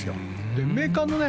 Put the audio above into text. でメーカーのね